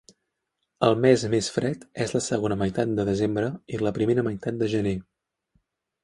El mes més fred és la segona meitat de desembre i la primera meitat de gener.